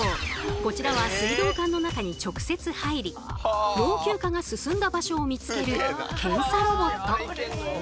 こちらは水道管の中に直接入り老朽化が進んだ場所を見つける検査ロボット。